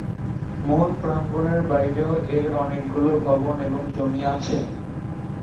মূল প্রাঙ্গণের বাইরেও এর অনেকগুলো ভবন এবং জমি আছে।